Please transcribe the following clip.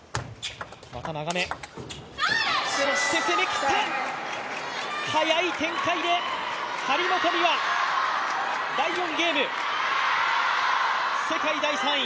そして攻めきった、速い展開で、張本美和、第４ゲーム、世界第３位、